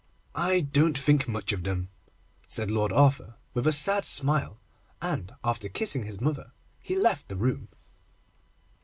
'I don't think much of them,' said Lord Arthur, with a sad smile, and, after kissing his mother, he left the room.